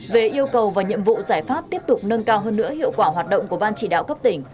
về yêu cầu và nhiệm vụ giải pháp tiếp tục nâng cao hơn nữa hiệu quả hoạt động của ban chỉ đạo cấp tỉnh